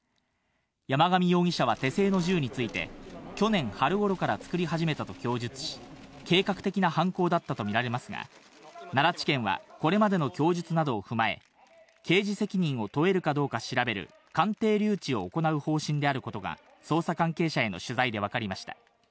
山上容疑者は手製の銃について去年、春頃から作り始めたと供述し、計画的な犯行だったとみられますが、奈良地検はこれまでの供述などを踏まえ、刑事責任を問えるかどうか調べる、鑑定留置を行う方針であることが捜査関係者への取材でわかりました。